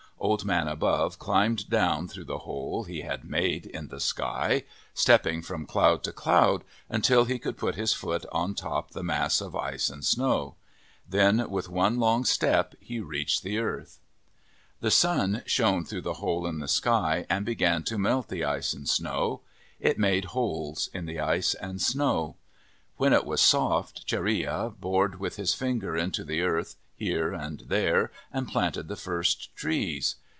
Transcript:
Old Man Above climbed down through the hole he had made in the sky, stepping from cloud to cloud, until he could put his foot on top the mass of ice and snow. Then with one long step he reached the earth. The sun shone through the hole in the sky and began to melt the ice and snow. It made holes in o the ice and snow. When it was soft, Chareya bored with his finger into the earth, here and there, and planted the first trees.